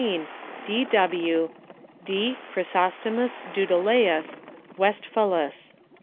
W. "D. "Chrysostomus Dudulœus, "Westphalus."